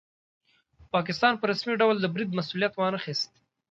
پاکستان په رسمي ډول د برید مسوولیت وانه خیست.